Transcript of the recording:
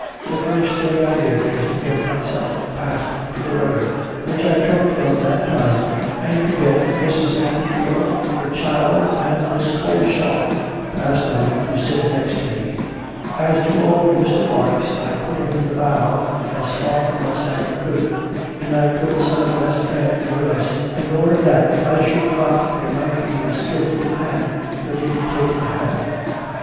The first thing I did, was to get myself passed to the rudder which I took from that time and to get Mrs. Atherfield, her child, and Miss Coleshaw, passed on to sit next me. As to old Mr. Rarx, I put him in the bow, as far from us as I could. And I put some of the best men near us in order that if I should drop there might be a skilful hand ready to take the helm.